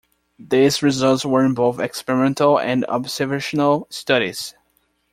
These results were in both experimental and observational studies.